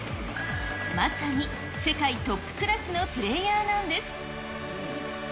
まさに世界トップクラスのプレーヤーなんです。